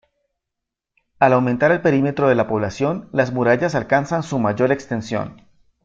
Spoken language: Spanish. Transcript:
Al aumentar el perímetro de la población, las murallas alcanzan su mayor extensión.